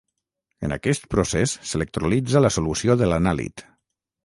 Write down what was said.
En aquest procés, s'electrolitza la solució de l'anàlit.